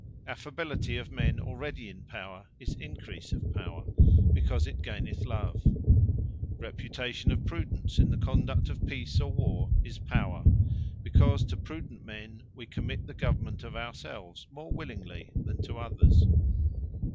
Affability of men already in power, is encrease of Power; because it gaineth love. Reputation of Prudence in the conduct of Peace or War, is Power; because to prudent men, we commit the government of our selves, more willingly than to others.